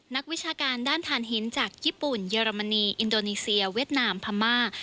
วิชาการด้านฐานหินจากญี่ปุ่นเยอรมนีอินโดนีเซียเวียดนามพม่า